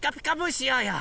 しようよ！